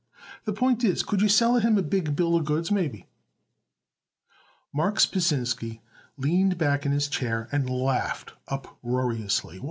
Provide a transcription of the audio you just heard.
The point is, could you sell it him a big bill of goods, maybe?" Marks Pasinsky leaned back in his chair and laughed uproariously.